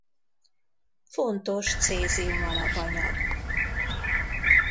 Fontos cézium alapanyag.